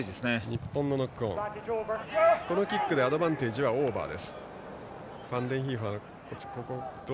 日本のノックオンでしたがキックでアドバンテージオーバー。